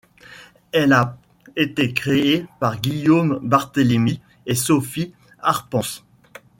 Elle a été créée par Guillaume Barthélemy et Sophie Hartpence.